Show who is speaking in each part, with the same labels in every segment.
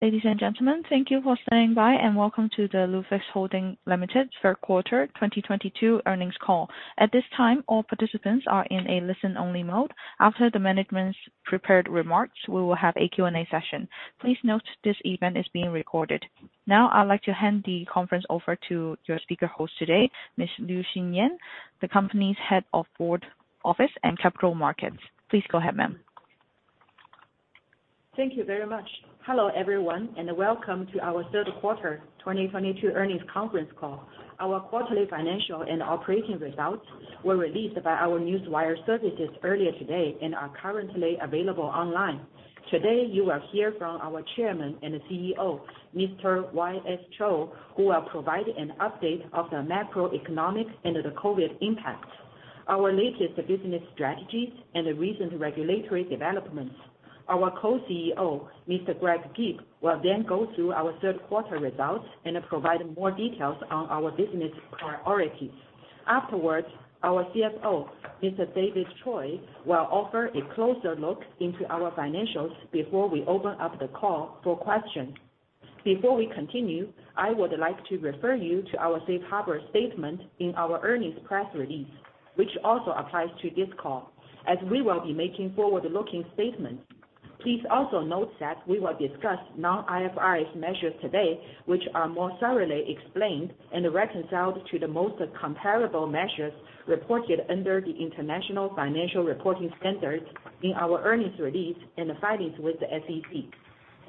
Speaker 1: Ladies and gentlemen, thank you for standing by and welcome to the Lufax Holding Ltd Third Quarter 2022 Earnings Call. At this time, all participants are in a listen only mode. After the management's prepared remarks, we will have a Q&A session. Please note this event is being recorded. I'd like to hand the conference over to your speaker host today, Ms. Liu Xinyan, the company's Head of Board Office and Capital Markets. Please go ahead, ma'am.
Speaker 2: Thank you very much. Hello, everyone, and welcome to our Third Quarter 2022 Earnings Conference Call. Our quarterly financial and operating results were released by our Newswire services earlier today and are currently available online. Today, you will hear from our Chairman and CEO, Mr. Y.S. Cho, who will provide an update of the macroeconomic and the COVID impact, our latest business strategies and the recent regulatory developments. Our Co-CEO, Mr. Greg Gibb, will then go through our third quarter results and provide more details on our business priorities. Afterwards, our CFO, Mr. David Choy, will offer a closer look into our financials before we open up the call for questions. Before we continue, I would like to refer you to our safe harbor statement in our earnings press release, which also applies to this call, as we will be making forward-looking statements. Please also note that we will discuss non-IFRS measures today, which are more thoroughly explained and reconciled to the most comparable measures reported under the International Financial Reporting Standards in our earnings release and the filings with the SEC.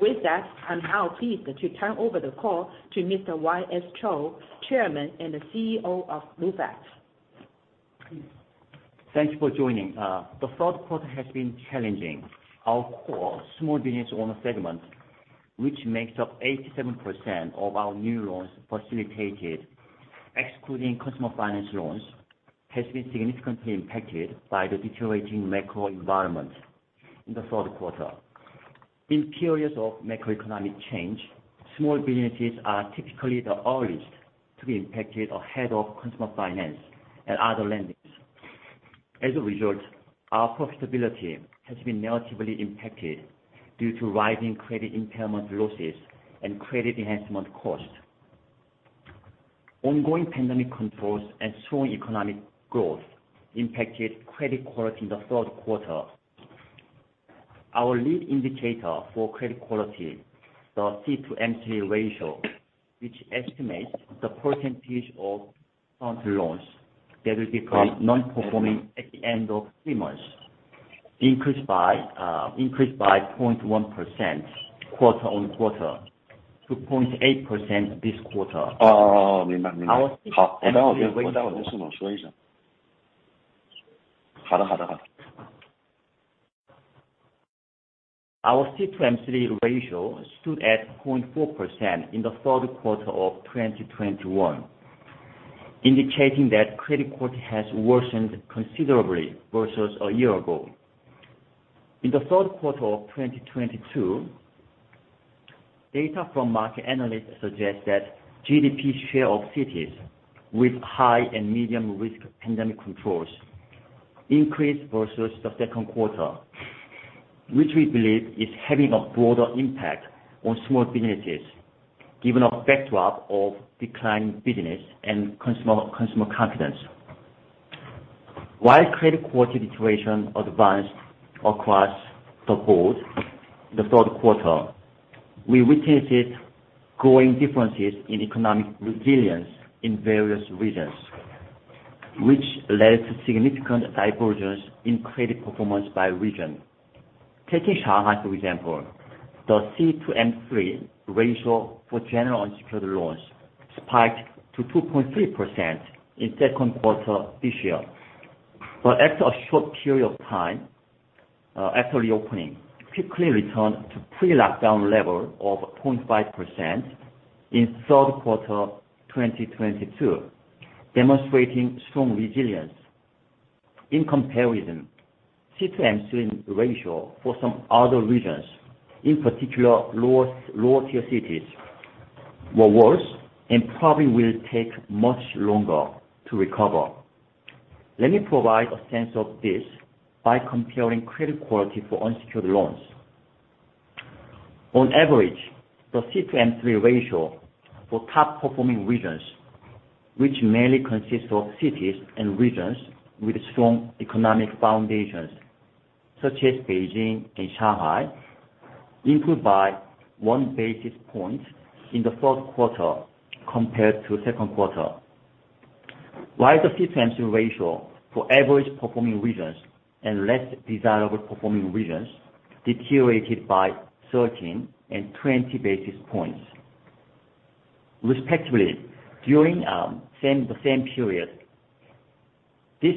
Speaker 2: With that, I'm now pleased to turn over the call to Mr. Y.S. Cho, Chairman and CEO of Lufax.
Speaker 3: Thanks for joining. The third quarter has been challenging. Our core small business owner segment, which makes up 87% of our new loans facilitated, excluding customer finance loans, has been significantly impacted by the deteriorating macro environment in the third quarter. In periods of macroeconomic change, small businesses are typically the earliest to be impacted ahead of consumer finance and other lendings. As a result, our profitability has been negatively impacted due to rising credit impairment losses and credit enhancement costs. Ongoing pandemic controls and strong economic growth impacted credit quality in the third quarter. Our lead indicator for credit quality, the C-M3 ratio, which estimates the percentage of current loans that will become non-performing at the end of three months, increased by 0.1% quarter-on-quarter to 0.8% this quarter. Our C-M3 ratio stood at 0.4% in the third quarter of 2021, indicating that credit quality has worsened considerably versus a year ago. In the third quarter of 2022, data from market analysts suggest that GDP share of cities with high and medium risk pandemic controls increased versus the second quarter, which we believe is having a broader impact on small businesses, given a backdrop of declining business and consumer confidence. While credit quality deterioration advanced across the board in the third quarter, we witnessed it growing differences in economic resilience in various regions, which led to significant divergence in credit performance by region. Taking Shanghai, for example, the C-M3 ratio for general unsecured loans spiked to 2.3% in second quarter this year. After a short period of time, after reopening, quickly returned to pre-lockdown level of 0.5% in Q3 2022, demonstrating strong resilience. In comparison, C-M3 ratio for some other regions, in particular lower tier cities, were worse and probably will take much longer to recover. Let me provide a sense of this by comparing credit quality for unsecured loans. On average, the C-M3 ratio for top-performing regions, which mainly consist of cities and regions with strong economic foundations, such as Beijing and Shanghai, improved by 1 basis point in Q4 compared to Q2. While the C-M3 ratio for average-performing regions and less desirable performing regions deteriorated by 13 and 20 basis points, respectively, during the same period. This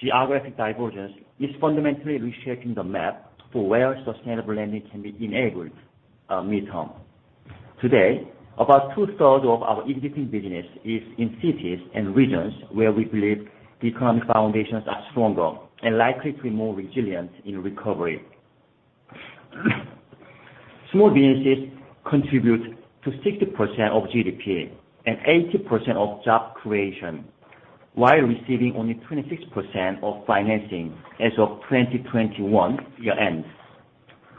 Speaker 3: geographic divergence is fundamentally reshaping the map for where sustainable lending can be enabled, mid-term. Today, about 2/3 of our EBP business is in cities and regions where we believe the economic foundations are stronger and likely to be more resilient in recovery. Small businesses contribute to 60% of GDP and 80% of job creation. While receiving only 26% of financing as of 2021 year ends,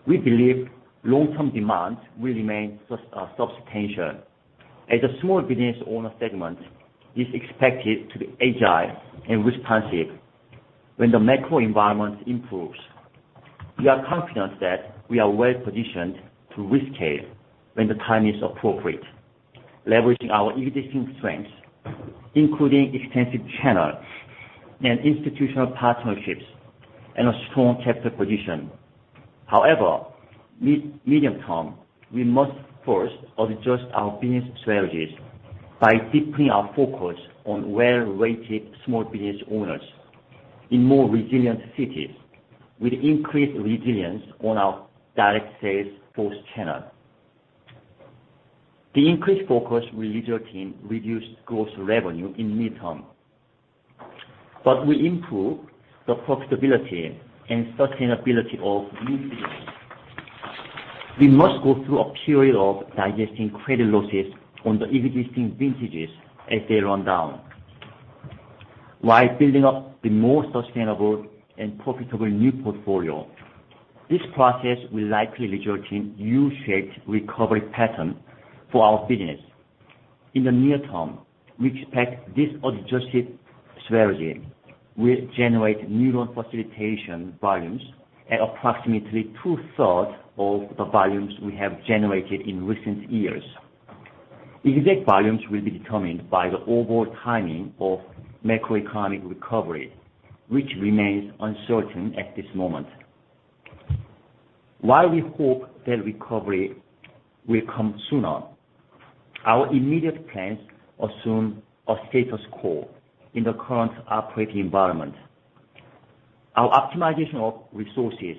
Speaker 3: we believe long-term demand will remain substantial as the small business owner segment is expected to be agile and responsive when the macro environment improves. We are confident that we are well-positioned to rescale when the time is appropriate, leveraging our existing strengths, including extensive channels and institutional partnerships and a strong capital position. However, mid-medium term, we must first adjust our business strategies by deepening our focus on well-rated small business owners in more resilient cities with increased resilience on our direct sales force channel. The increased focus will result in reduced gross revenue in midterm, but will improve the profitability and sustainability of new business. We must go through a period of digesting credit losses on the existing vintages as they run down, while building up the more sustainable and profitable new portfolio. This process will likely result in U-shaped recovery pattern for our business. In the near term, we expect this adjusted strategy will generate new loan facilitation volumes at approximately two-thirds of the volumes we have generated in recent years. Exact volumes will be determined by the overall timing of macroeconomic recovery, which remains uncertain at this moment. While we hope that recovery will come sooner, our immediate plans assume a status quo in the current operating environment. Our optimization of resources,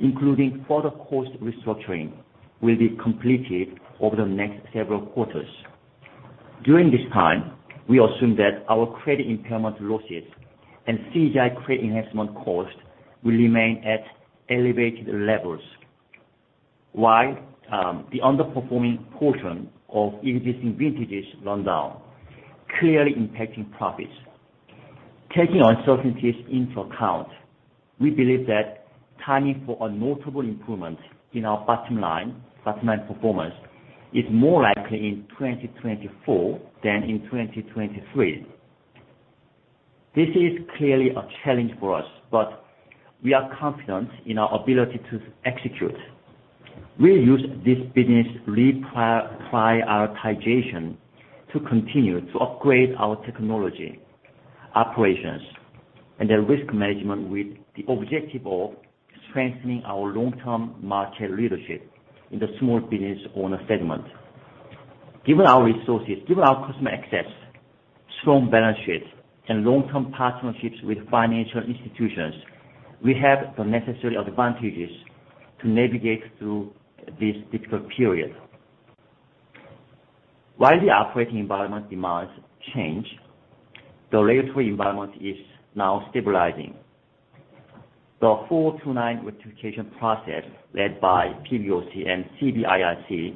Speaker 3: including further cost restructuring, will be completed over the next several quarters. During this time, we assume that our credit impairment losses and CGI credit enhancement cost will remain at elevated levels, while the underperforming portion of existing vintages run down, clearly impacting profits. Taking uncertainties into account, we believe that timing for a notable improvement in our bottom line performance is more likely in 2024 than in 2023. This is clearly a challenge for us, but we are confident in our ability to execute. We'll use this business reprioritization to continue to upgrade our technology, operations, and the risk management with the objective of strengthening our long-term market leadership in the small business owner segment. Given our resources, given our customer access, strong balance sheet, and long-term partnerships with financial institutions, we have the necessary advantages to navigate through this difficult period. While the operating environment demands change, the regulatory environment is now stabilizing. The 429 rectification process led by PBOC and CBIRC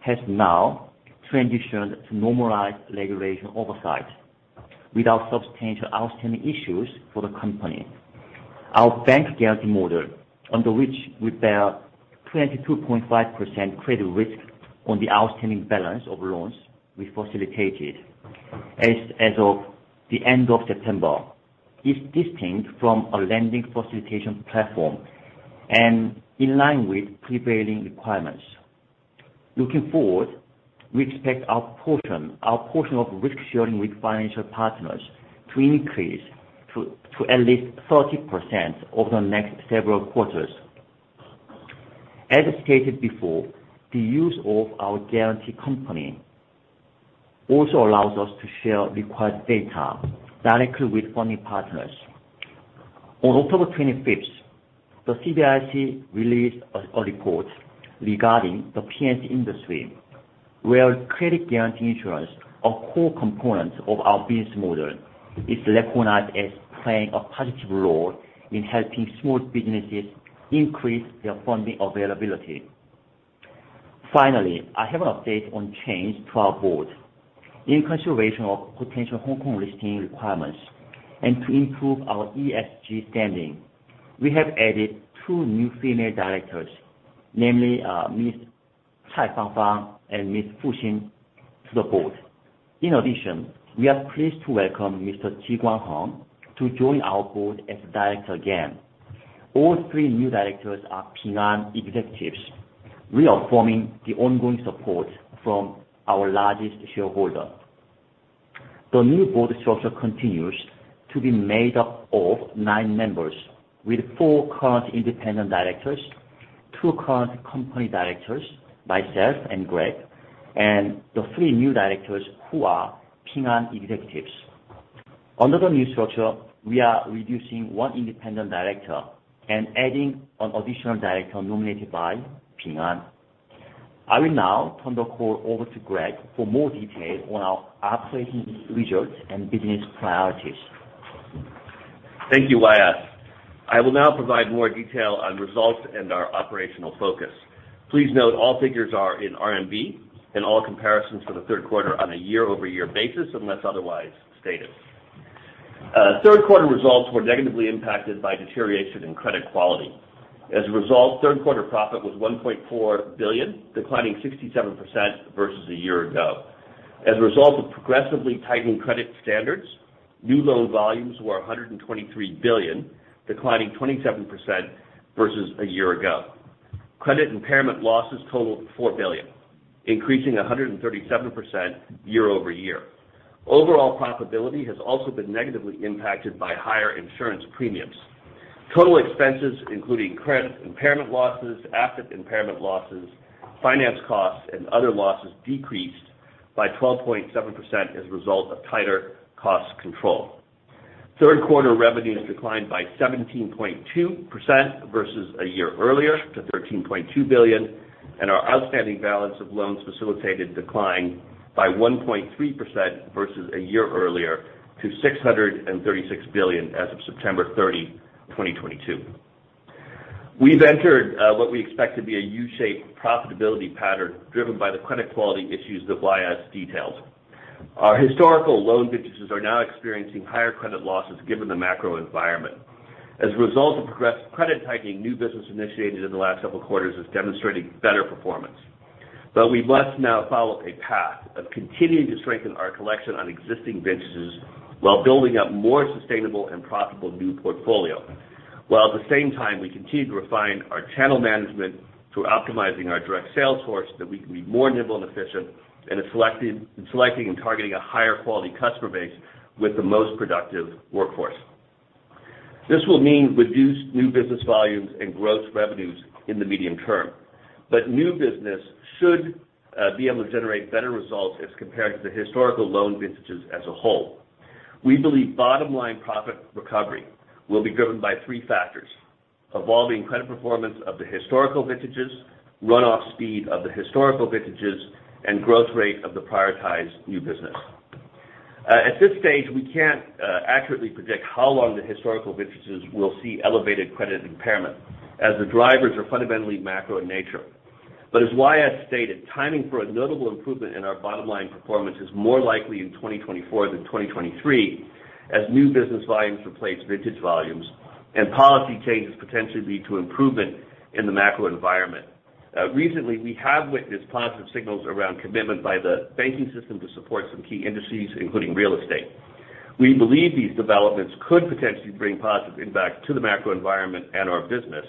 Speaker 3: has now transitioned to normalized regulation oversight without substantial outstanding issues for the company. Our bank guarantee model, under which we bear 22.5% credit risk on the outstanding balance of loans we facilitated as of the end of September, is distinct from a lending facilitation platform and in line with prevailing requirements. Looking forward, we expect our portion of risk sharing with financial partners to increase to at least 30% over the next several quarters. As stated before, the use of our guarantee company also allows us to share required data directly with funding partners. On October 25th, the CBIRC released a report regarding the P&C industry, where credit guarantee insurance, a core component of our business model, is recognized as playing a positive role in helping small businesses increase their funding availability. Finally, I have an update on change to our board. In consideration of potential Hong Kong listing requirements and to improve our ESG standing, we have added two new female directors, namely, Miss Cai Fangfang and Miss Xin Fu to the Board. In addition, we are pleased to welcome Mr. Ji Guangheng to join our Board as a Director again. All three new directors are Ping An executives, reaffirming the ongoing support from our largest shareholder. The new board structure continues to be made up of nine members with four current independent directors, two current company directors, myself and Greg, and the three new directors who are Ping An executives. Under the new structure, we are reducing one independent director and adding an additional director nominated by Ping An. I will now turn the call over to Greg for more detail on our operating results and business priorities.
Speaker 4: Thank you, Operator. I will now provide more detail on results and our operational focus. Please note all figures are in RMB and all comparisons for the third quarter on a year-over-year basis, unless otherwise stated. Third quarter results were negatively impacted by deterioration in credit quality. As a result, third quarter profit was 1.4 billion, declining 67% versus a year ago. As a result of progressively tightened credit standards, new loan volumes were 123 billion, declining 27% versus a year ago. Credit impairment losses totaled 4 billion, increasing 137% year-over-year. Overall profitability has also been negatively impacted by higher insurance premiums. Total expenses, including credit impairment losses, asset impairment losses, finance costs, and other losses decreased by 12.7% as a result of tighter cost control. Third quarter revenues declined by 17.2% versus a year earlier to 13.2 billion, and our outstanding balance of loans facilitated declined by 1.3% versus a year earlier to 636 billion as of September 30, 2022. We've entered what we expect to be a U-shaped profitability pattern driven by the credit quality issues that Y.S. detailed. Our historical loan vintages are now experiencing higher credit losses given the macro environment. As a result of progress credit tightening, new business initiated in the last several quarters is demonstrating better performance. We must now follow a path of continuing to strengthen our collection on existing vintages while building up more sustainable and profitable new portfolio. At the same time, we continue to refine our channel management through optimizing our direct sales force that we can be more nimble and efficient in selecting and targeting a higher quality customer base with the most productive workforce. This will mean reduced new business volumes and gross revenues in the medium term, new business should be able to generate better results as compared to the historical loan vintages as a whole. We believe bottom line profit recovery will be driven by three factors: evolving credit performance of the historical vintages, runoff speed of the historical vintages, and growth rate of the prioritized new business. At this stage, we can't accurately predict how long the historical vintages will see elevated credit impairment as the drivers are fundamentally macro in nature. As Y.S. stated, timing for a notable improvement in our bottom line performance is more likely in 2024 than 2023 as new business volumes replace vintage volumes and policy changes potentially lead to improvement in the macro environment. Recently, we have witnessed positive signals around commitment by the banking system to support some key industries, including real estate. We believe these developments could potentially bring positive impact to the macro environment and our business,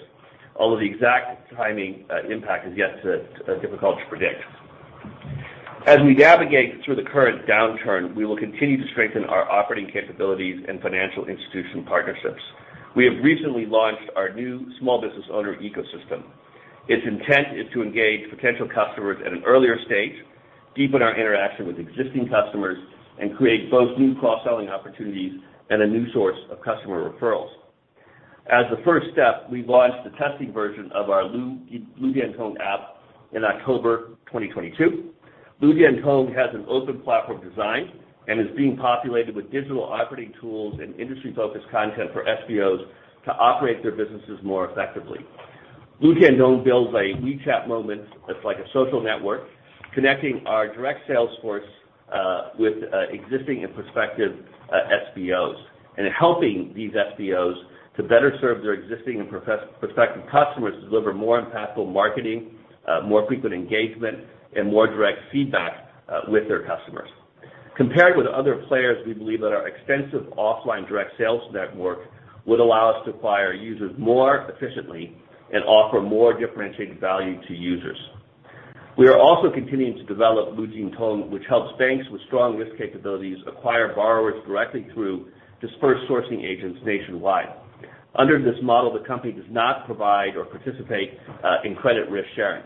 Speaker 4: although the exact timing, impact is yet to, difficult to predict. As we navigate through the current downturn, we will continue to strengthen our operating capabilities and financial institution partnerships. We have recently launched our new small business owner ecosystem. Its intent is to engage potential customers at an earlier stage, deepen our interaction with existing customers, and create both new cross-selling opportunities and a new source of customer referrals. As the first step, we launched the testing version of our LuDianTong app in October 2022. LuDianTong has an open platform design and is being populated with digital operating tools and industry-focused content for SBOs to operate their businesses more effectively. LuDianTong builds a WeChat Moments that's like a social network, connecting our direct sales force with existing and prospective SBOs, and helping these SBOs to better serve their existing and prospective customers to deliver more impactful marketing, more frequent engagement, and more direct feedback with their customers. Compared with other players, we believe that our extensive offline direct sales network would allow us to acquire users more efficiently and offer more differentiated value to users. We are also continuing to develop LuJinTong, which helps banks with strong risk capabilities acquire borrowers directly through dispersed sourcing agents nationwide. Under this model, the company does not provide or participate in credit risk sharing.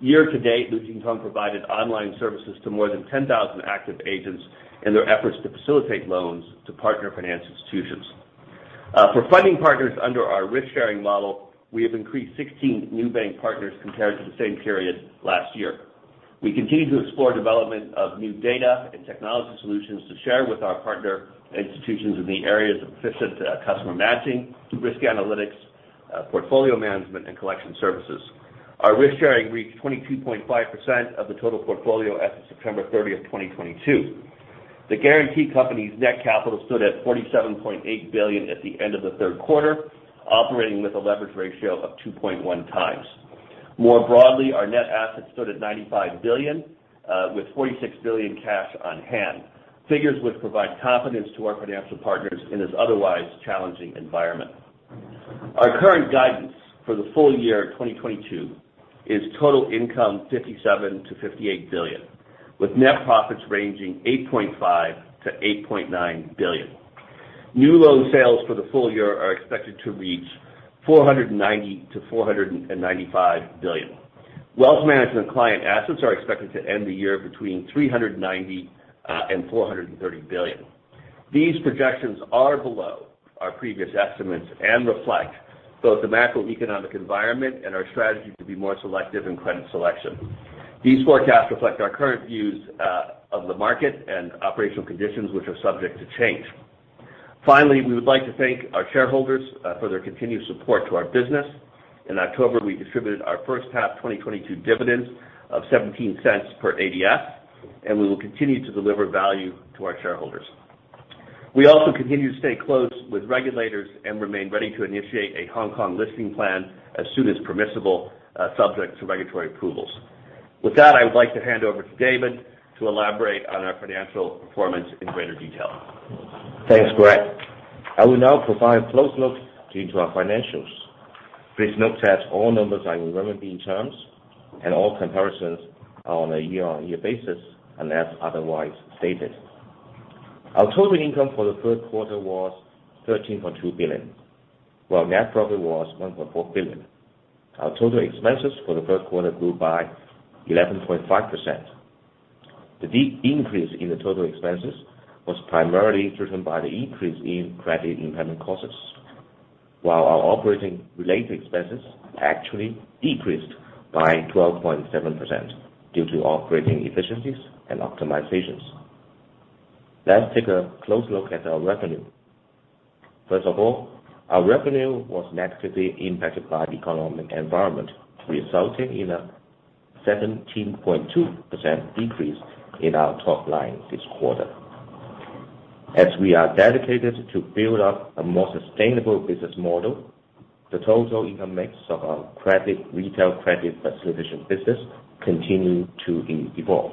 Speaker 4: Year-to-date, LuJinTong provided online services to more than 10,000 active agents in their efforts to facilitate loans to partner finance institutions. For funding partners under our risk-sharing model, we have increased 16 new bank partners compared to the same period last year. We continue to explore development of new data and technology solutions to share with our partner institutions in the areas of efficient customer matching, risk analytics, portfolio management, and collection services. Our risk sharing reached 22.5% of the total portfolio as of September 30th, 2022. The guarantee company's net capital stood at 47.8 billion at the end of the third quarter, operating with a leverage ratio of 2.1x. More broadly, our net assets stood at 95 billion, with 46 billion cash on hand, figures which provide confidence to our financial partners in this otherwise challenging environment. Our current guidance for the full year 2022 is total income 57 billion-58 billion, with net profits ranging 8.5 billion-8.9 billion. New loan sales for the full year are expected to reach 490 billion-495 billion. Wealth Management client assets are expected to end the year between 390 billion and 430 billion. These projections are below our previous estimates and reflect both the macroeconomic environment and our strategy to be more selective in credit selection. These forecasts reflect our current views of the market and operational conditions, which are subject to change. Finally, we would like to thank our shareholders for their continued support to our business. In October, we distributed our first half 2022 dividends of 0.17 per ADS. We will continue to deliver value to our shareholders. We also continue to stay close with regulators and remain ready to initiate a Hong Kong listing plan as soon as permissible, subject to regulatory approvals. With that, I would like to hand over to David to elaborate on our financial performance in greater detail.
Speaker 5: Thanks, Greg. I will now provide a close look into our financials. Please note that all numbers are in renminbi terms and all comparisons are on a year-on-year basis unless otherwise stated. Our total income for the third quarter was 13.2 billion, while net profit was 1.4 billion. Our total expenses for the first quarter grew by 11.5%. The de-increase in the total expenses was primarily driven by the increase in credit impairment costs, while our operating related expenses actually decreased by 12.7% due to operating efficiencies and optimizations. Let's take a close look at our revenue. Our revenue was negatively impacted by economic environment, resulting in a 17.2% decrease in our top line this quarter. As we are dedicated to build up a more sustainable business model, the total income mix of our credit, Retail Credit Facilitation business continued to evolve.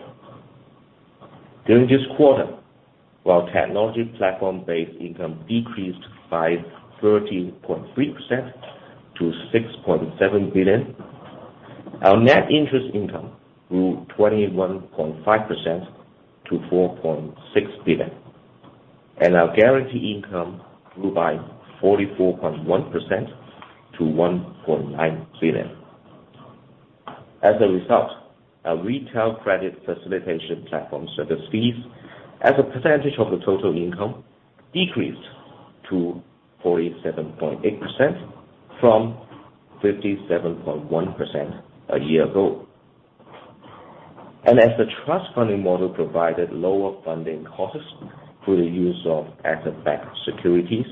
Speaker 5: During this quarter, while technology platform-based income decreased by 13.3% to 6.7 billion, our net interest income grew 21.5% to 4.6 billion, and our guarantee income grew by 44.1% to 1.9 billion. As a result, our Retail Credit Facilitation platform service fees as a percentage of the total income decreased to 47.8% from 57.1% a year ago. As the trust funding model provided lower funding costs through the use of asset-backed securities,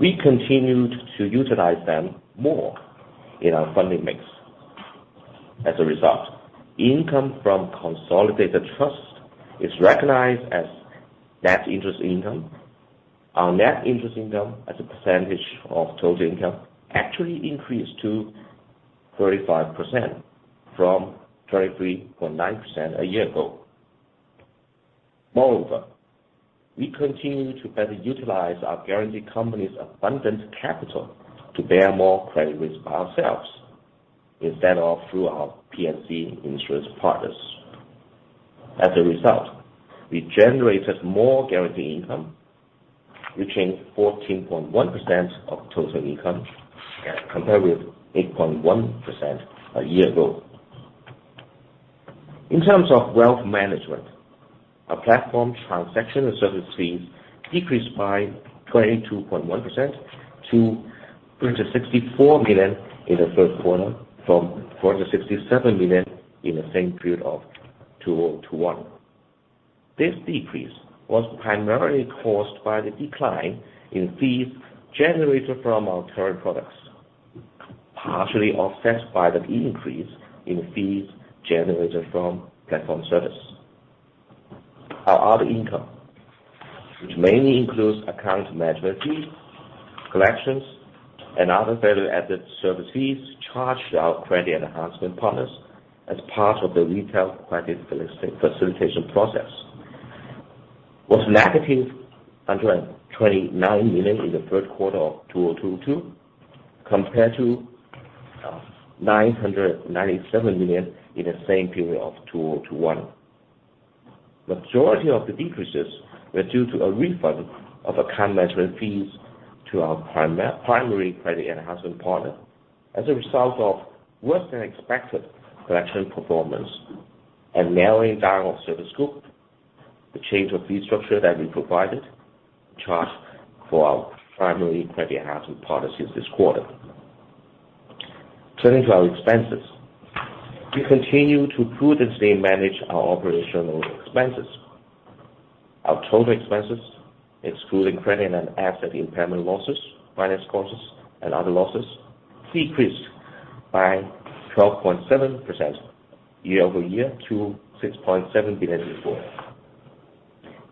Speaker 5: we continued to utilize them more in our funding mix. As a result, income from consolidated trust is recognized as net interest income. Our net interest income as a percentage of total income actually increased to 35% from 23.9% a year ago. We continue to better utilize our guarantee company's abundant capital to bear more credit risk ourselves instead of through our P&C insurance partners. As a result, we generated more guarantee income, reaching 14.1% of total income compared with 8.1% a year ago. In terms of Wealth Management, our platform transaction and service fees decreased by 22.1% to 364 million in the first quarter from 467 million in the same period of 2021. This decrease was primarily caused by the decline in fees generated from our current products, partially offset by the increase in fees generated from platform service. Our other income, which mainly includes account management fees, collections, and other value-added service fees charged to our credit facilitation partners as part of the Retail Credit Facilitation process, was negative 129 million in the third quarter of 2022 compared to 997 million in the same period of 2021. Majority of the decreases were due to a refund of account management fees to our primary credit enhancement partner as a result of worse than expected collection performance and narrowing down of service scope, the change of fee structure that we provided charged for our primary credit enhancement policies this quarter. Turning to our expenses, we continue to prudently manage our operational expenses. Our total expenses, excluding credit and asset impairment losses, finance costs, and other losses, decreased by 12.7% year-over-year to 6.7 billion.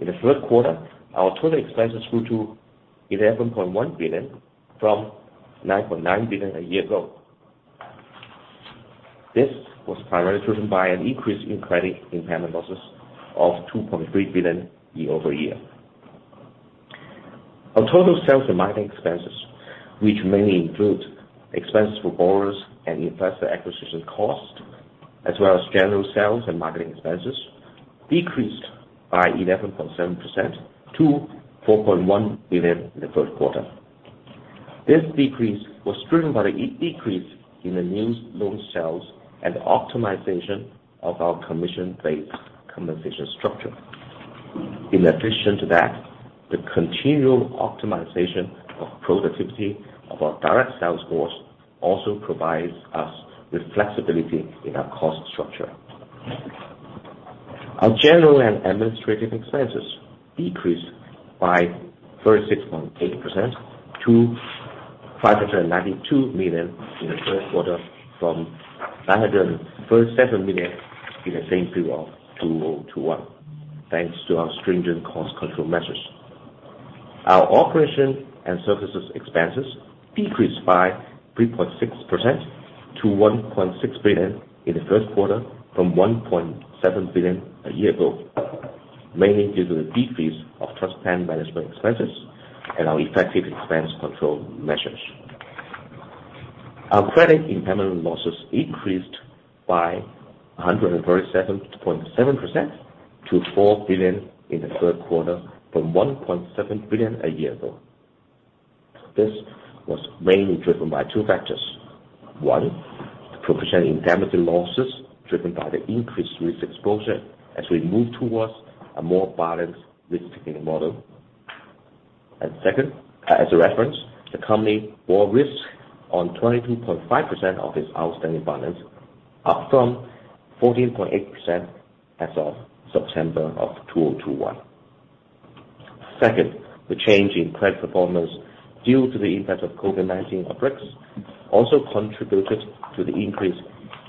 Speaker 5: In the third quarter, our total expenses grew to 11.1 billion from 9.9 billion a year ago. This was primarily driven by an increase in credit impairment losses of 2.3 billion year-over-year. Our total sales and marketing expenses, which mainly include expenses for borrowers and investor acquisition costs, as well as general sales and marketing expenses, decreased by 11.7% to 4.1 billion in the third quarter. This decrease was driven by the decrease in the new loan sales and optimization of our commission-based compensation structure. In addition to that, the continual optimization of productivity of our direct sales force also provides us with flexibility in our cost structure. Our general and administrative expenses decreased by 36.8% to 592 million in the first quarter from 537 million in the same period of 2021, thanks to our stringent cost control measures. Our operation and services expenses decreased by 3.6% to 1.6 billion in the first quarter from 1.7 billion a year ago, mainly due to the decrease of trust plan management expenses and our effective expense control measures. Our credit impairment losses increased by 137.7% to 4 billion in the third quarter from 1.7 billion a year ago. This was mainly driven by two factors. One, the professional indemnity losses driven by the increased risk exposure as we move towards a more balanced risk taking model. Second, as a reference, the company bore risk on 22.5% of its outstanding balance, up from 14.8% as of September of 2021. Second, the change in credit performance due to the impact of COVID-19 outbreaks also contributed to the increase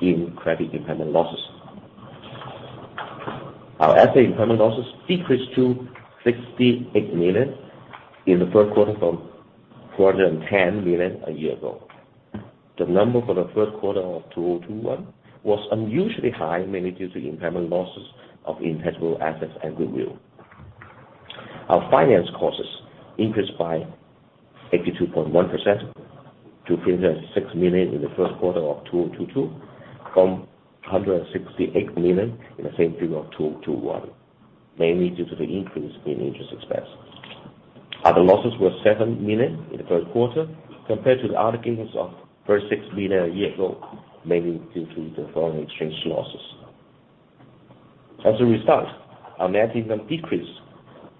Speaker 5: in credit impairment losses. Our asset impairment losses decreased to 68 million in the third quarter from 410 million a year ago. The number for the third quarter of 2021 was unusually high, mainly due to impairment losses of intangible assets and goodwill. Our finance costs increased by 82.1% to 306 million in the first quarter of 2022 from 168 million in the same period of 2021, mainly due to the increase in interest expense. Other losses were 7 million in the third quarter compared to other gains of 36 million a year ago, mainly due to the foreign exchange losses. As a result, our net income decreased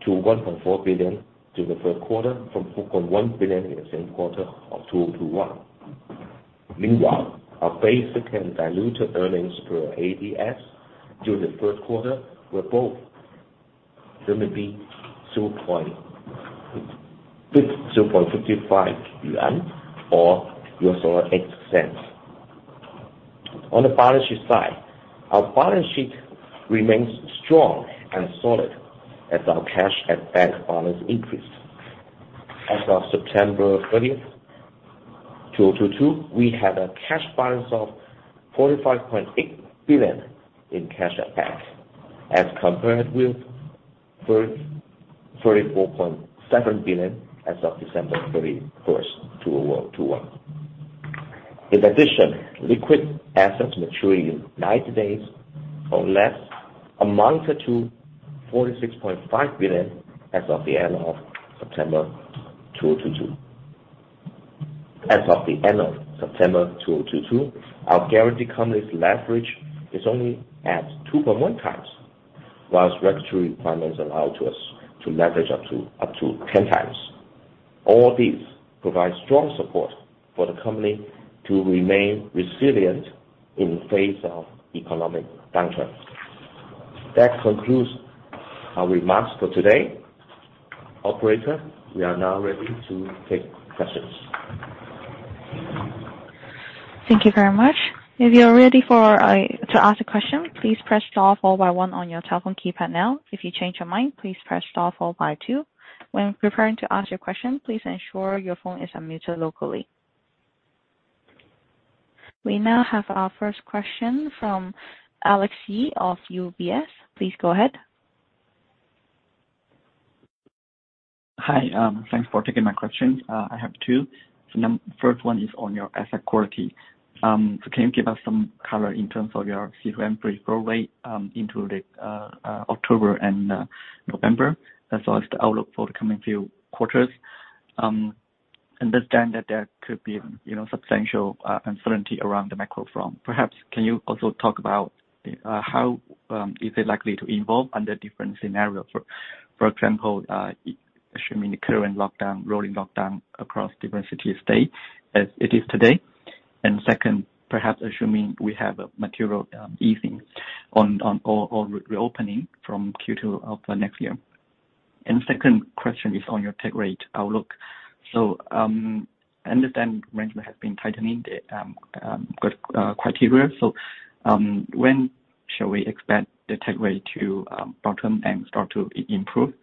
Speaker 5: to 1.4 billion during the third quarter from 4.1 billion in the same quarter of 2021. Meanwhile, our basic and diluted earnings per ADS during the third quarter were both RMB 2.55 or $0.08. On the balance sheet side, our balance sheet remains strong and solid as our cash at bank balance increased. As of September 30th, 2022, we had a cash balance of 45.8 billion in cash at bank as compared with 34.7 billion as of December 31st, 2021. Liquid assets maturing in 90 days or less amounted to 46.5 billion as of the end of September 2022. As of the end of September 2022, our guaranteed company's leverage is only at 2.1x, whilst regulatory requirements allow to us to leverage up to 10x. All these provide strong support for the company to remain resilient in the face of economic downturns. That concludes our remarks for today. Operator, we are now ready to take questions.
Speaker 1: Thank you very much. If you're ready for to ask a question, please press star four by one on your telephone keypad now. If you change your mind, please press star four by two. When preparing to ask your question, please ensure your phone is unmuted locally. We now have our first question from Alex Ye of UBS. Please go ahead.
Speaker 6: Hi, thanks for taking my questions. I have two. First one is on your asset quality. Can you give us some color in terms of your C-M3 growth rate into October and November? As well as the outlook for the coming few quarters. Understand that there could be, you know, substantial uncertainty around the macro front. Perhaps can you also talk about how is it likely to evolve under different scenarios? For example, assuming the current lockdown, rolling lockdown across different city states as it is today. Second, perhaps assuming we have a material easing or reopening from Q2 of next year. Second question is on your tech rate outlook. Understand management has been tightening the criteria. When shall we expect the tech rate to bottom and start to improve?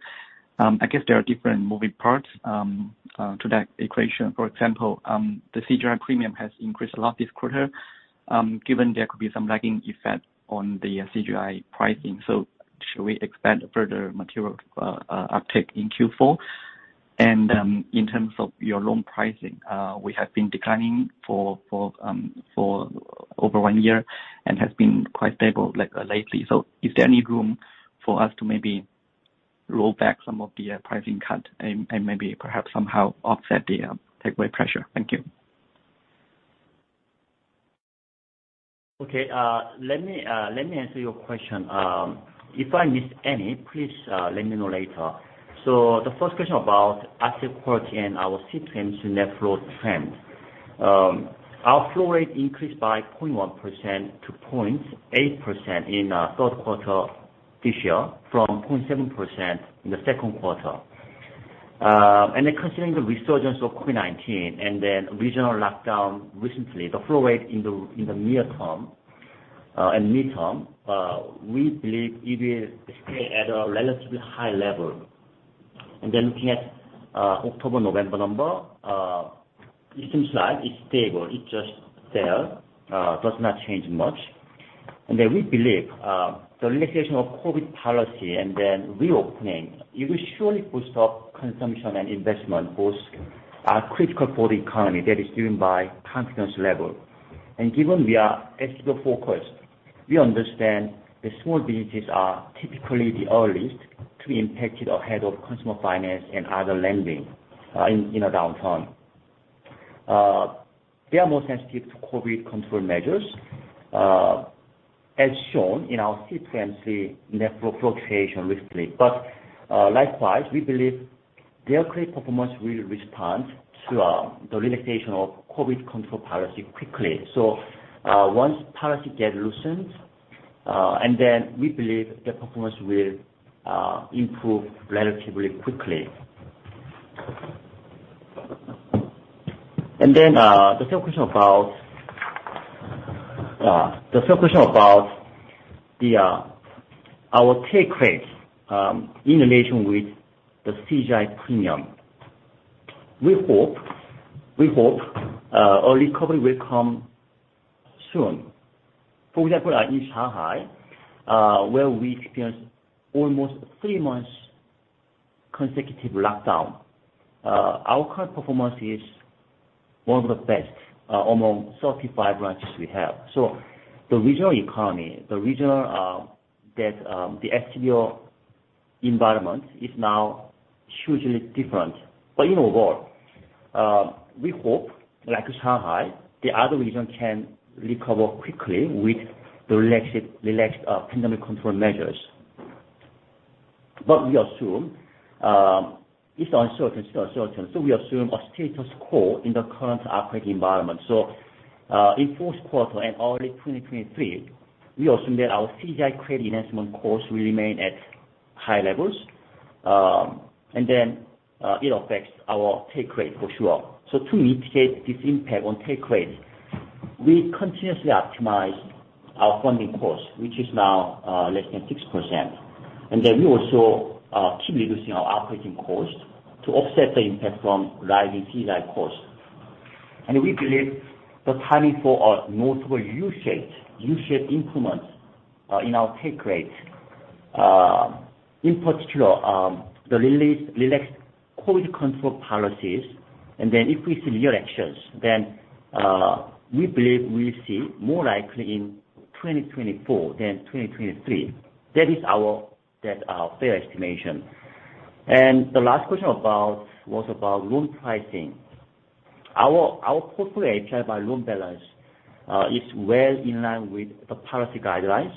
Speaker 6: I guess there are different moving parts to that equation. For example, the CGI premium has increased a lot this quarter, given there could be some lagging effect on the CGI pricing. Should we expect a further material uptick in Q4? In terms of your loan pricing, which have been declining for over one year and has been quite stable, like, lately. Is there any room for us to maybe roll back some of the pricing cut and maybe perhaps somehow offset the tech rate pressure? Thank you.
Speaker 3: Okay, let me answer your question. If I miss any, please let me know later. The first question about asset quality and our C-M3 net flow trend. Our flow rate increased by 0.1%-0.8% in third quarter this year from 0.7% in the second quarter. Considering the resurgence of COVID-19 and regional lockdown recently, the flow rate in the near term and midterm, we believe it will stay at a relatively high level. Looking at October, November number, it seems like it's stable. It's just there, does not change much. We believe the relaxation of COVID policy and then reopening, it will surely boost up consumption and investment. Both are critical for the economy that is driven by confidence level. Given we are SME focused, we understand that small businesses are typically the earliest to be impacted ahead of consumer finance and other lending in a downturn. They are more sensitive to COVID control measures as shown in our C-M3 net flow fluctuation recently. Likewise, we believe their credit performance will respond to the relaxation of COVID control policy quickly. Once policy get loosened, and then we believe their performance will improve relatively quickly. The second question about our take rates in relation with the CGI premium. We hope a recovery will come soon. For example, in Shanghai, where we experienced almost three months consecutive lockdown, our current performance is one of the best among 35 branches we have. The regional economy, the regional debt, the FTO environment is now hugely different. In overall, we hope, like Shanghai, the other region can recover quickly with the relaxed pandemic control measures. We assume, it's uncertain, still uncertain, we assume a status quo in the current operating environment. In fourth quarter and early 2023, we assume that our CGI credit enhancement costs will remain at high levels. It affects our take rate for sure. To mitigate this impact on take rate, we continuously optimize our funding costs, which is now less than 6%. We also keep reducing our operating costs to offset the impact from rising CGI costs. We believe the timing for a notable U-shaped improvement in our take rates, in particular, relaxed COVID-19 control policies and then if we see real actions, then we believe we'll see more likely in 2024 than 2023. That is our fair estimation. The last question was about loan pricing. Our portfolio API by loan balance is well in line with the policy guidelines.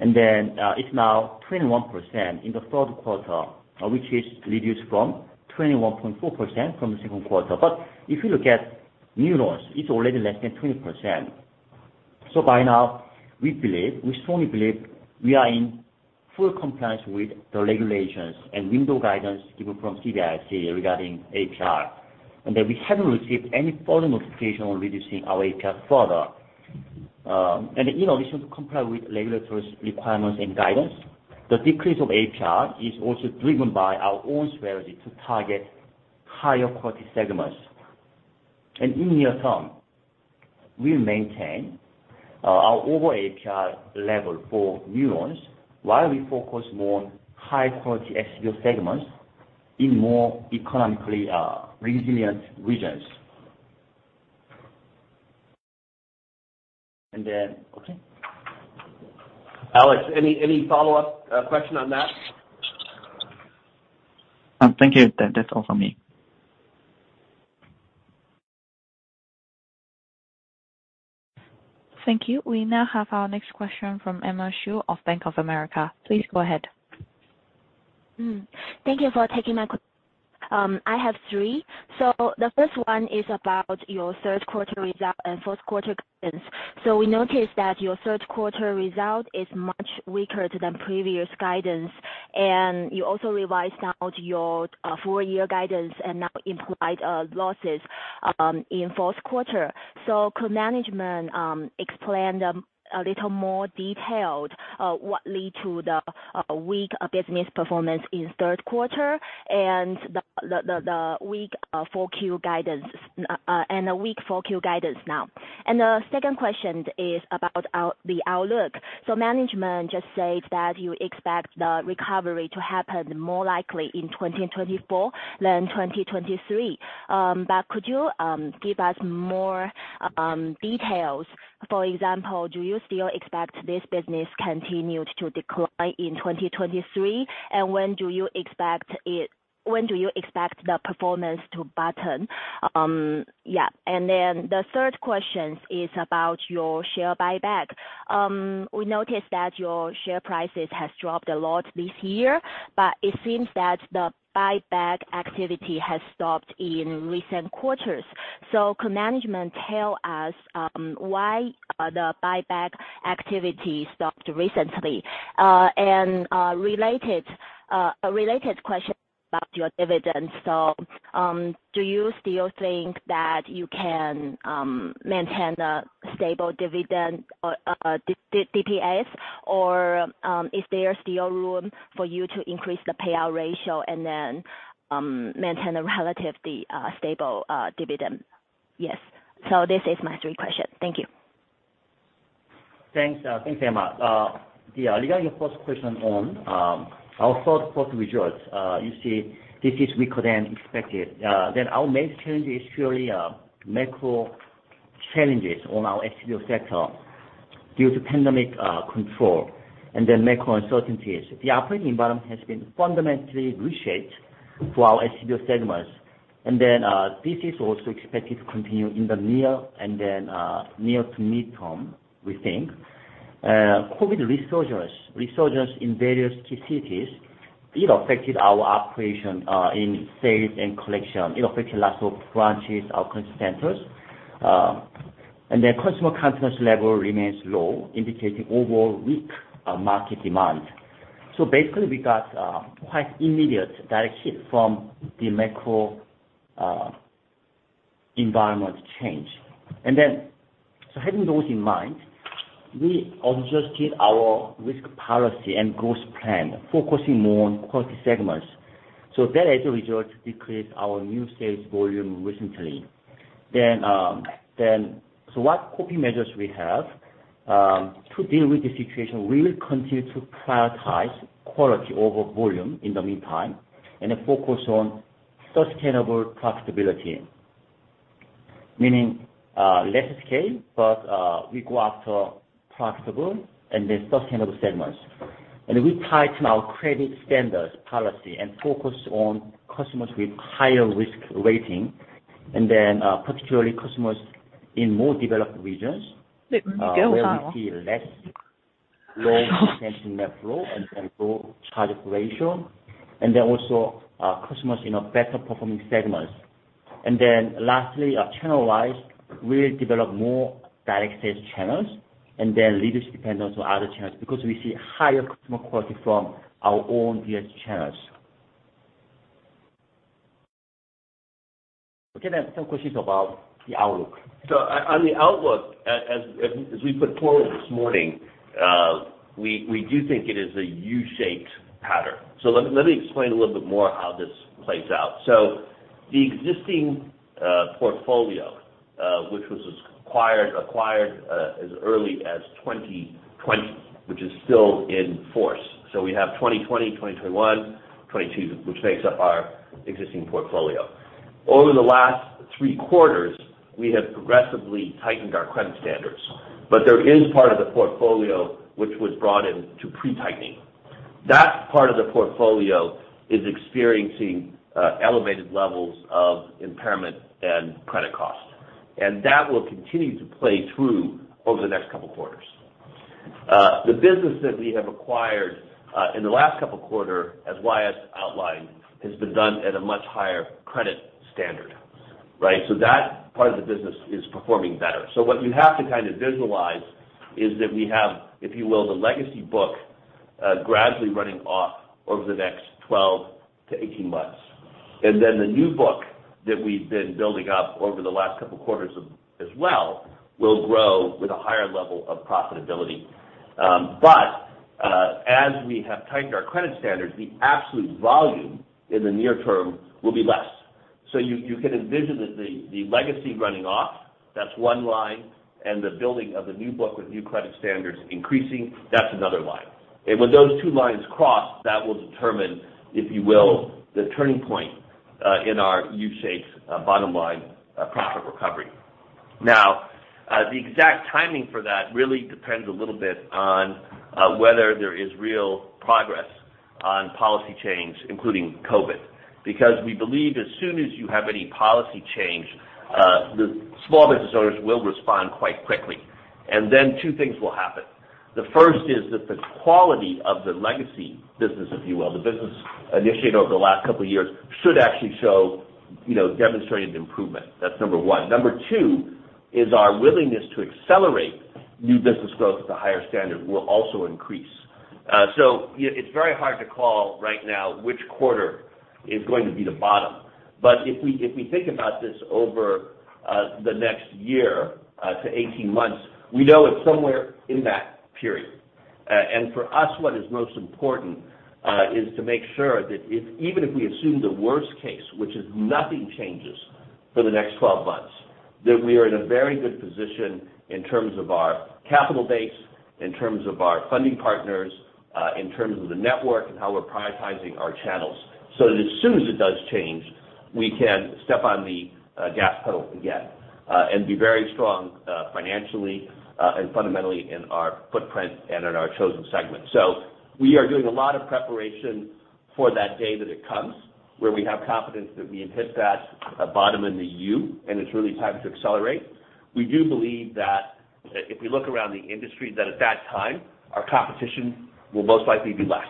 Speaker 3: It's now 21% in the third quarter, which is reduced from 21.4% from the second quarter. If you look at new loans, it's already less than 20%. By now we strongly believe we are in full compliance with the regulations and window guidance given from CBRC regarding API. We haven't received any further notification on reducing our API further. In addition to comply with regulatory requirements and guidance, the decrease of API is also driven by our own strategy to target higher quality segments. In near term, we'll maintain our overall API level for new loans while we focus more on high quality SME segments in more economically resilient regions. Okay.
Speaker 4: Alex, any follow-up question on that?
Speaker 6: Thank you. That's all for me.
Speaker 1: Thank you. We now have our next question from Emma Xu of Bank of America. Please go ahead.
Speaker 7: Thank you for taking my question. I have three. The first one is about your third quarter result and fourth quarter guidance. We noticed that your third quarter result is much weaker than previous guidance, and you also revised out your full year guidance and now implied losses in fourth quarter. Could management explain them a little more detailed, what lead to the weak business performance in third quarter and the weak 4Q guidance? A weak 4Q guidance now. The second question is about the outlook. Management just said that you expect the recovery to happen more likely in 2024 than 2023. Could you give us more details? For example, do you still expect this business continue to decline in 2023? When do you expect the performance to bottom? Yeah. The third question is about your share buyback. We noticed that your share prices has dropped a lot this year, but it seems that the buyback activity has stopped in recent quarters. Could management tell us why the buyback activity stopped recently? A related question about your dividends. Do you still think that you can maintain a stable dividend or DPS? Or is there still room for you to increase the payout ratio and then maintain a relatively stable dividend? Yes. This is my three question. Thank you.
Speaker 3: Thanks. Thanks, Emma. Yeah, regarding your first question on our third quarter results, you see this is weaker than expected. Our main challenge is purely macro challenges on our SBO sector due to pandemic control and then macro uncertainties. The operating environment has been fundamentally reshaped for our SBO segments. This is also expected to continue in the near and then near to midterm, we think. COVID resurgence in various key cities, it affected our operation in sales and collection. It affected lots of branches, our country centers, and their customer confidence level remains low, indicating overall weak market demand. Basically, we got quite immediate direct hit from the macro environment change. Having those in mind, we adjusted our risk policy and growth plan, focusing more on quality segments. As a result, decreased our new sales volume recently. What coping measures we have to deal with the situation, we will continue to prioritize quality over volume in the meantime, and then focus on sustainable profitability. Meaning, less scale, but we go after profitable and then sustainable segments. We tighten our credit standards policy and focus on customers with higher risk rating and then, particularly customers in more developed regions, where we see less low potential net flow and low charge-off ratio, and then also, customers in our better performing segments. Lastly, channel-wise, we develop more direct sales channels and then leadership dependent on other channels because we see higher customer quality from our own DS channels. Some questions about the outlook.
Speaker 4: On the outlook, as we put forward this morning, we do think it is a U-shaped pattern. Let me explain a little bit more how this plays out. The existing portfolio, which was acquired as early as 2020, which is still in force. We have 2020, 2021, 2022, which makes up our existing portfolio. Over the last three quarters, we have progressively tightened our credit standards. There is part of the portfolio which was brought in to pre-tightening. That part of the portfolio is experiencing elevated levels of impairment and credit cost. That will continue to play through over the next couple quarters. The business that we have acquired in the last couple quarter, as Y.S. outlined, has been done at a much higher credit standard, right? That part of the business is performing better. What you have to kind of visualize is that we have, if you will, the legacy book, gradually running off over the next 12-18 months. Then the new book that we've been building up over the last couple quarters as well, will grow with a higher level of profitability. As we have tightened our credit standards, the absolute volume in the near term will be less. You can envision the legacy running off, that's one line, and the building of the new book with new credit standards increasing, that's another line. When those two lines cross, that will determine, if you will, the turning point, in our U-shaped, bottom line, profit recovery. Now, the exact timing for that really depends a little bit on whether there is real progress on policy change, including COVID, because we believe as soon as you have any policy change, the small business owners will respond quite quickly. Two things will happen. The first is that the quality of the legacy business, if you will, the business initiated over the last couple of years, should actually show, you know, demonstrated improvement. That's number one. Number two is our willingness to accelerate new business growth at the higher standard will also increase. You know, it's very hard to call right now which quarter is going to be the bottom. If we, if we think about this over, the next year, to 18 months, we know it's somewhere in that period. For us, what is most important, is to make sure that even if we assume the worst case, which is nothing changes for the next 12 months, that we are in a very good position in terms of our capital base, in terms of our funding partners, in terms of the network and how we're prioritizing our channels. That as soon as it does change, we can step on the gas pedal again, and be very strong, financially, and fundamentally in our footprint and in our chosen segment. We are doing a lot of preparation for that day that it comes, where we have confidence that we have hit that bottom in the U, and it's really time to accelerate. We do believe that if we look around the industry, that at that time, our competition will most likely be less.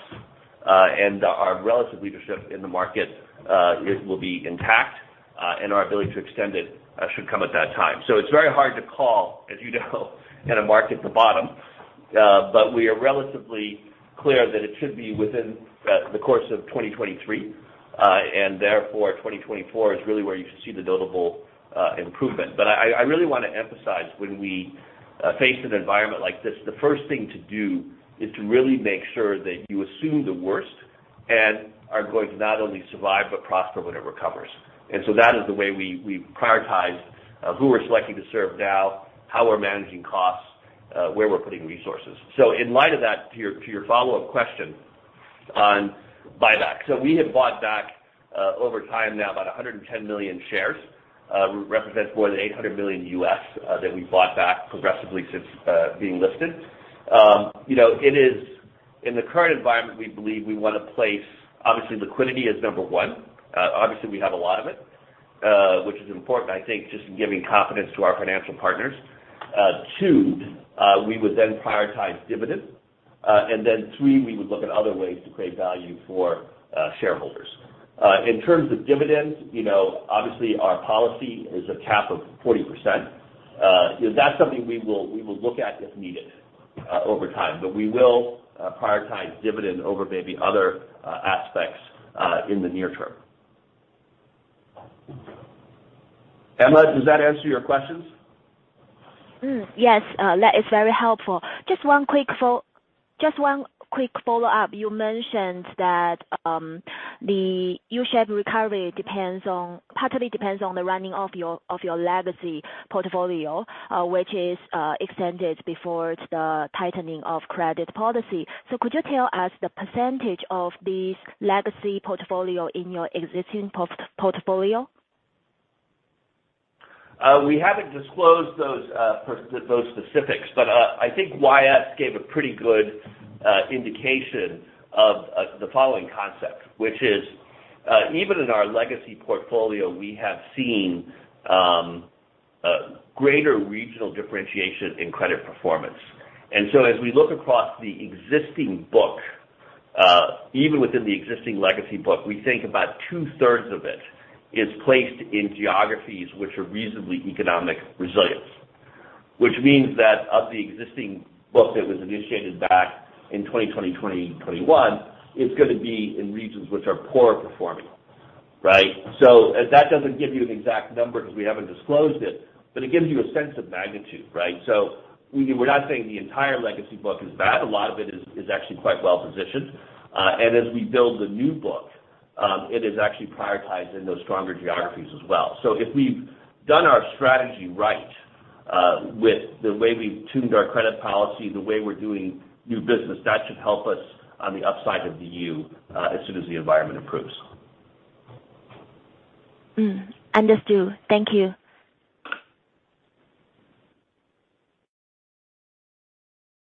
Speaker 4: And our relative leadership in the market, it will be intact, and our ability to extend it should come at that time. It's very hard to call, as you know, in a market, the bottom. But we are relatively clear that it should be within the course of 2023. And therefore, 2024 is really where you should see the notable improvement. I really wanna emphasize when we face an environment like this, the first thing to do is to really make sure that you assume the worst and are going to not only survive but prosper when it recovers. That is the way we prioritize who we're selecting to serve now, how we're managing costs, where we're putting resources. In light of that, to your follow-up question on buyback. We have bought back, over time now, about 110 million shares. Represents more than $800 million that we've bought back progressively since being listed. You know, in the current environment, we believe we wanna place, obviously liquidity is number one. Obviously we have a lot of it, which is important, I think, just in giving confidence to our financial partners. Two, we would then prioritize dividends. Three, we would look at other ways to create value for shareholders. In terms of dividends, you know, obviously our policy is a cap of 40%. You know, that's something we will look at if needed, over time. We will prioritize dividend over maybe other aspects, in the near term. Emma, does that answer your questions?
Speaker 7: Yes, that is very helpful. Just one quick follow-up. You mentioned that the U-shaped recovery partly depends on the running of your legacy portfolio, which is extended before the tightening of credit policy. Could you tell us the percentage of this legacy portfolio in your existing portfolio?
Speaker 4: We haven't disclosed those specifics, but I think Y.S. gave a pretty good indication of the following concept, which is, even in our legacy portfolio, we have seen a greater regional differentiation in credit performance. As we look across the existing book, even within the existing legacy book, we think about two-thirds of it is placed in geographies which are reasonably economic resilience. Which means that of the existing book that was initiated back in 2020, 2021, it's gonna be in regions which are poor performing, right? That doesn't give you an exact number because we haven't disclosed it, but it gives you a sense of magnitude, right? We're not saying the entire legacy book is bad. A lot of it is actually quite well-positioned. As we build the new book, it is actually prioritized in those stronger geographies as well. If we've done our strategy right, with the way we've tuned our credit policy, the way we're doing new business, that should help us on the upside of the U, as soon as the environment improves.
Speaker 7: Understood. Thank you.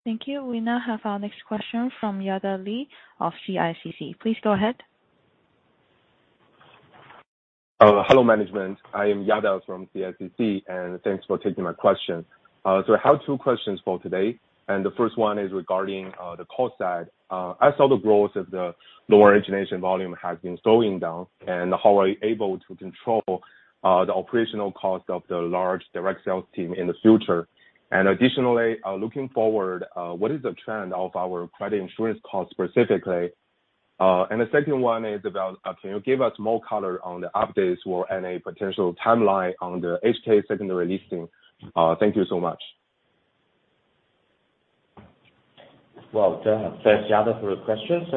Speaker 1: Thank you. We now have our next question from Yada Li of CICC. Please go ahead.
Speaker 8: Hello, management. I am Yada Li from CICC, and thanks for taking my question. I have two questions for today, and the first one is regarding the cost side. I saw the growth of the lower origination volume has been slowing down. How are you able to control the operational cost of the large direct sales team in the future. Additionally, looking forward, what is the trend of our credit insurance cost specifically? The second one is about, can you give us more color on the updates or any potential timeline on the HK secondary listing? Thank you so much.
Speaker 5: Thanks, Yada, for the questions.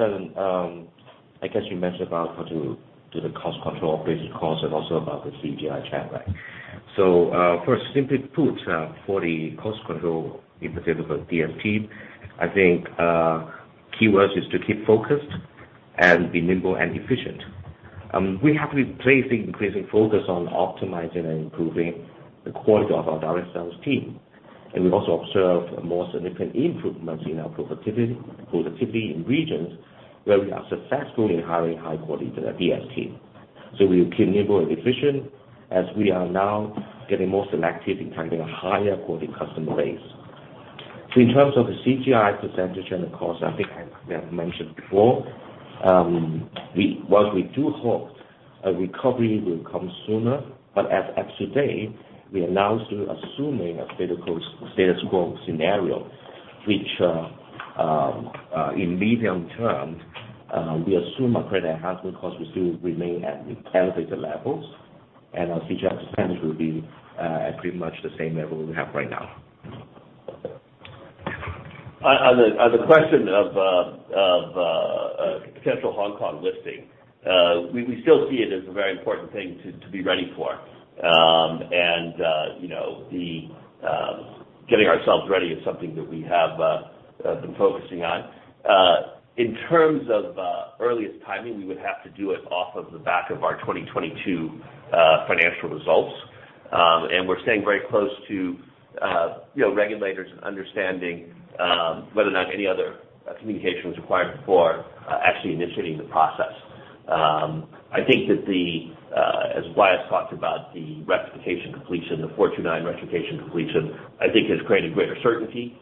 Speaker 5: I guess you mentioned about how to do the cost control, operating cost, and also about the CGI track, right? First, simply put, for the cost control in particular for DST, I think, keywords is to keep focused and be nimble and efficient. We have been placing increasing focus on optimizing and improving the quality of our direct sales team. We've also observed more significant improvements in our productivity in regions where we are successfully hiring high-quality DST. We're nimble and efficient as we are now getting more selective in targeting a higher quality customer base. In terms of the CGI percentage and the cost, I think I, we have mentioned before, while we do hope a recovery will come sooner, but as of today, we are now still assuming a status quo scenario, which in medium term, we assume our credit enhancement costs will still remain at elevated levels and our CGI percentage will be at pretty much the same level we have right now.
Speaker 4: On the question of a potential Hong Kong listing, we still see it as a very important thing to be ready for. You know, getting ourselves ready is something that we have been focusing on. In terms of earliest timing, we would have to do it off of the back of our 2022 financial results. We're staying very close to, you know, regulators and understanding whether or not any other communication is required before actually initiating the process. I think that the as Y.S. talked about, the rectification completion, the 429 rectification completion, I think has created greater certainty.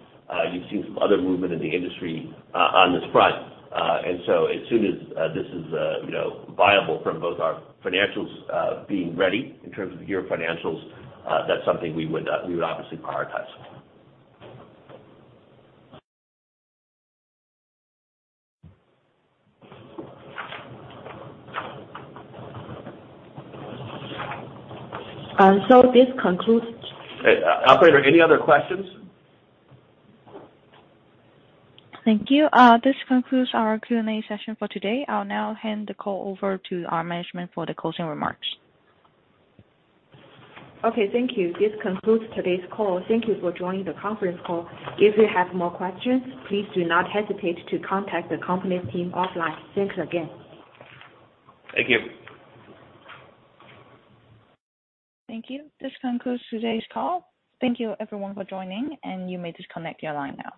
Speaker 4: You've seen some other movement in the industry on this front. As soon as this is, you know, viable from both our financials, being ready in terms of year financials, that's something we would, we would obviously prioritize.
Speaker 1: This concludes.
Speaker 4: Operator, any other questions?
Speaker 1: Thank you. This concludes our Q&A session for today. I'll now hand the call over to our management for the closing remarks.
Speaker 2: Okay, thank you. This concludes today's call. Thank you for joining the conference call. If you have more questions, please do not hesitate to contact the conference team offline. Thanks again.
Speaker 4: Thank you.
Speaker 1: Thank you. This concludes today's call. Thank you everyone for joining, and you may disconnect your line now.